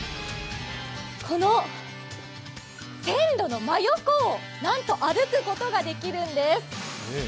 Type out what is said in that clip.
この線路の真横を、なんと歩くことができるんです。